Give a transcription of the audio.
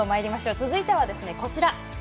続いてはこちら。